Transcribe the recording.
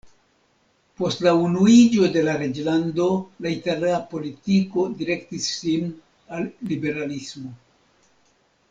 Post la unuiĝo de la Reĝlando la itala politiko direktis sin al liberalismo.